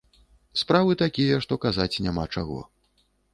Справы такія, што казаць няма чаго.